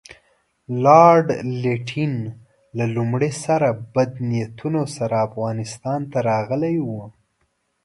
لارډ لیټن له لومړي سره بد نیتونو سره افغانستان ته راغلی وو.